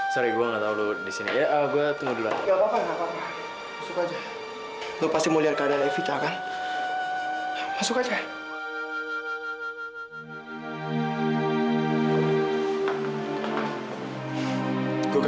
sampai jumpa di video selanjutnya